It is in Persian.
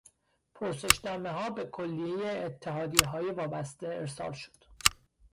پرسشنامهها به کلیه اتحادیههای وابسته ارسال شد.